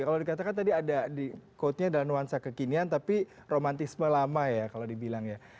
kalau dikatakan tadi ada quote nya dalam nuansa kekinian tapi romantisme lama ya kalau dibilang ya